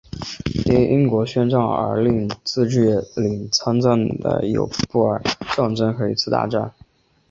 因英国宣战而令自治领参战的有布尔战争和一次大战。